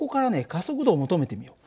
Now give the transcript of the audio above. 加速度を求めてみよう。